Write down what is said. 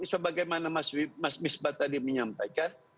sebagaimana mas misbah tadi menyampaikan